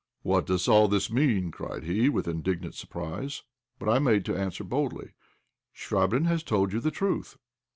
"What does all this mean?" cried he, with indignant surprise. But I made answer boldly "Chvabrine has told you the truth."